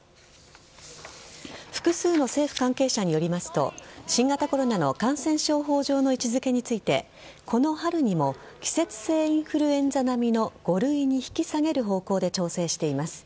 複数の政府関係者によりますと新型コロナの感染症法上の位置付けについてこの春にも季節性インフルエンザ並みの５類に引き下げる方向で調整しています。